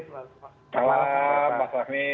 selamat malam pak fahmi